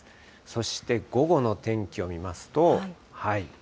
そして午後の天気を見ますと。